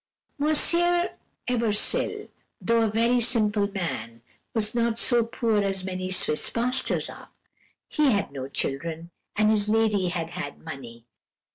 "Monsieur Eversil, though a very simple man, was not so poor as many Swiss pastors are. He had no children, and his lady had had money.